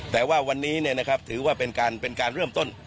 แต่ว่าวันนี้ถือว่าเป็นการเริ่มต้น